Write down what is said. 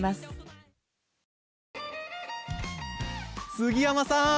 杉山さん！